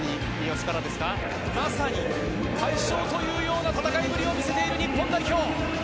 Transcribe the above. まさに快勝というような戦いぶりを見せている日本代表。